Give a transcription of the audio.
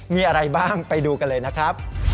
มีอะไรบ้างไปดูกันเลยนะครับ